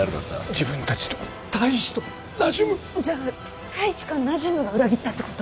自分たちと大使とナジュムじゃあ大使かナジュムが裏切ったってこと？